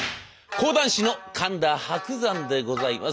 講談師の神田伯山でございます。